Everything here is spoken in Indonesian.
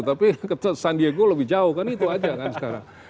tapi ke san diego lebih jauh kan itu aja sekarang